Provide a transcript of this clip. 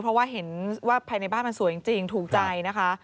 เพราะว่าเห็นว่าภายในบ้านมันสวยจริงถูกใจนะคะ